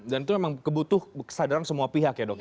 dan itu memang kebutuh kesadaran semua pihak ya dok ya